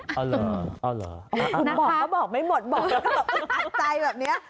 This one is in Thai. กูบอกเค้าก็บอกไม่หมดบอกที่ก็อังใจแบบนี้